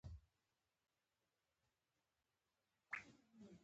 بال د بېټ سره ټکر کوي.